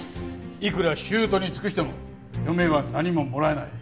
いくら姑に尽くしても嫁は何ももらえない。